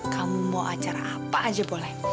kamu mau acara apa aja boleh